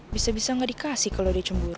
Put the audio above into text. bisa bisa gak dikasih kalo dia cemburu